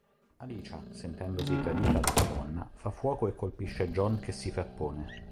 Alicia, sentendosi tradita dalla donna, fa fuoco e colpisce John che si frappone.